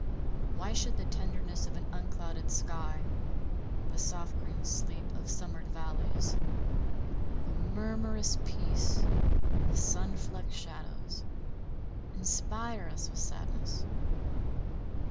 Why should the tenderness of an unclouded sky, the soft green sleep of summered valleys, the murmurous peace of sun flecked shadows, inspire us with sadness?